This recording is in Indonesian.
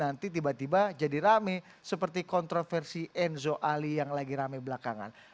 nanti tiba tiba jadi rame seperti kontroversi enzo ali yang lagi rame belakangan